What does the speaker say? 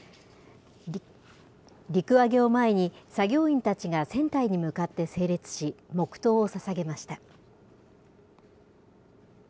陸揚げを前に、作業員たちが船体に向かって整列し、黙とうをささげました。